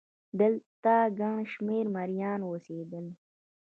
دلته ګڼ شمېر مریان اوسېدل.